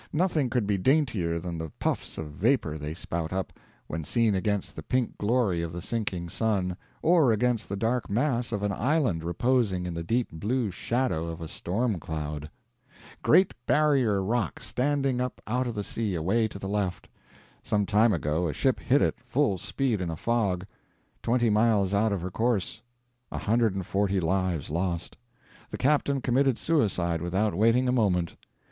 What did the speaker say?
Nothing could be daintier than the puffs of vapor they spout up, when seen against the pink glory of the sinking sun, or against the dark mass of an island reposing in the deep blue shadow of a storm cloud .... Great Barrier rock standing up out of the sea away to the left. Sometime ago a ship hit it full speed in a fog 20 miles out of her course 140 lives lost; the captain committed suicide without waiting a moment.